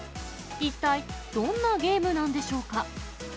一体どんなゲームなんでしょうか。